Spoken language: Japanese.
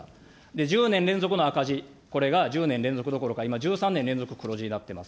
１０年連続の赤字、これが１０年連続どころか、今１３年連続黒字になっています。